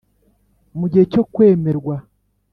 Mu gihe cyo kwemerwa